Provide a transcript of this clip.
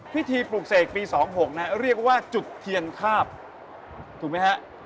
พิธีปลูกเสกปี๒๖เรียกว่าจุดเทียนคาบถูกไหมครับ